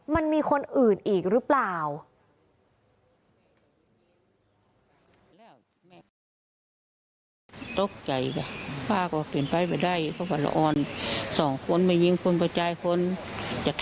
มันมีคนอื่นอีกหรือเปล่า